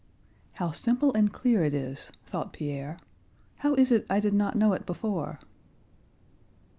"How simple and clear it is," thought Pierre. "How is it I did not know it before?"